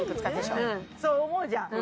そう思うじゃん。